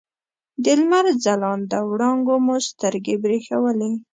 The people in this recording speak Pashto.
د لمر ځلانده وړانګو مو سترګې برېښولې.